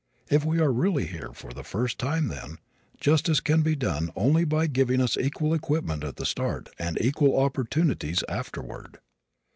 If we are really here for the first time then justice can be done only by giving us equal equipment at the start and equal opportunities afterward.